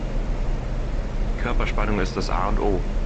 Körperspannung ist das A und O.